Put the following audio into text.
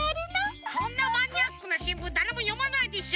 そんなマニアックなしんぶんだれもよまないでしょ！